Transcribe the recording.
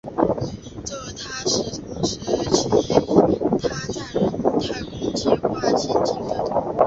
这使它比同时期其它的载人太空计划先进得多。